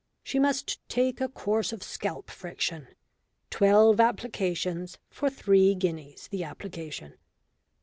She must take a course of scalp friction; twelve applications for three guineas the application.